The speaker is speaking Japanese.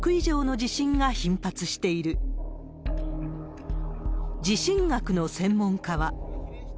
地震学の専門家は。